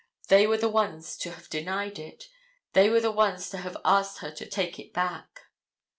They were the ones to have denied it. They were the ones to have asked her to take it back.